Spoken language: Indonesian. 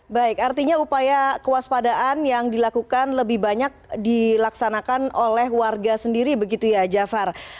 baik artinya upaya kewaspadaan yang dilakukan lebih banyak dilaksanakan oleh warga sendiri begitu ya jafar